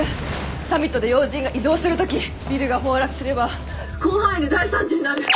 サミットで要人が移動するときビルが崩落すれば広範囲で大惨事になる。